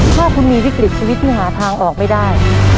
ถ้าคุณมีวิกฤตชีวิตที่หาทางออกไม่ได้